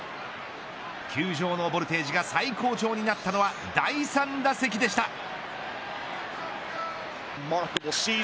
球場のボルテージが最高潮になったのは第３打席でした。